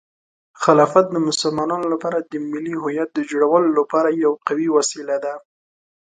خلافت د مسلمانانو لپاره د ملي هویت د جوړولو لپاره یوه قوي وسیله ده.